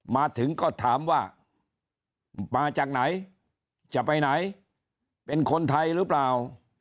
มาถึงก็ถามว่ามาจากไหนจะไปไหนเป็นคนไทยหรือเปล่า